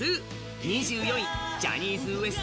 ２４位、ジャニーズＷＥＳＴ